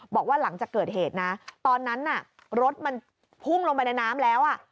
บอกว่าหลังจากเกิดเหตุนะตอนนั้นน่ะรถมันพุ่งลงไปในน้ำแล้ว